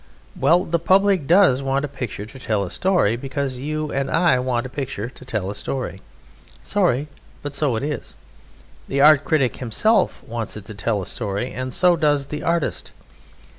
Well, the public does want a picture to tell a story, because you and I want a picture to tell a story. Sorry. But so it is. The art critic himself wants it to tell a story, and so does the artist.